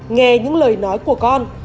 nghe những lời nói của con